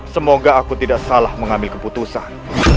semoga aku tidak salah mengambil keputusan